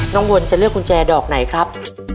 วนจะเลือกกุญแจดอกไหนครับ